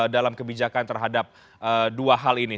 dalam kebijakan terhadap dua hal ini